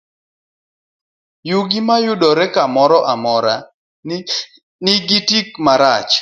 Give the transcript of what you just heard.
Yugi mayudore kamoro amora, nigi tik marach.